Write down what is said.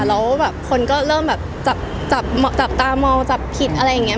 แล้วแบบคนก็เริ่มแบบจับตามองจับผิดอะไรอย่างนี้